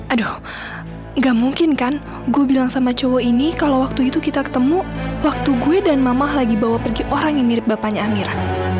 aduh gak mungkin kan gue bilang sama cowok ini kalau waktu itu kita ketemu waktu gue dan mamah lagi bawa pergi orang yang mirip bapaknya amira